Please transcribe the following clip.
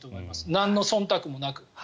なんのそんたくもなく。